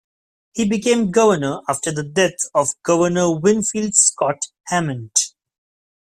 He became governor after the death of Governor Winfield Scott Hammond.